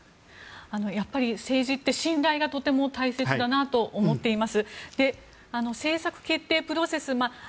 やっぱり、政治って信頼がとても大切だなと思っています。